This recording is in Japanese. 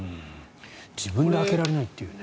自分で開けられないというね。